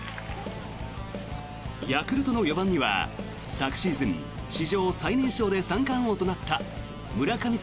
ヤクルトの４番には昨シーズン史上最年少で三冠王となった村神様